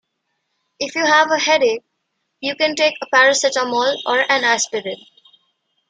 If you have a headache, you can take a paracetamol or an aspirin